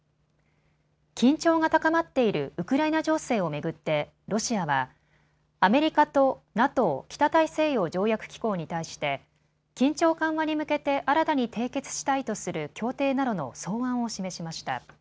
緊張が高まっているウクライナ情勢を巡ってロシアはアメリカとＮＡＴＯ・北大西洋条約機構に対して緊張緩和に向けて新たに締結したいとする協定などの草案を示しました。